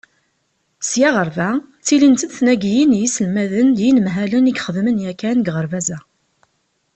Sya ɣer da, ttilint-d tnagiyin n yiselmaden d yinemhalen i ixedmen yakan deg uɣerbaz-a.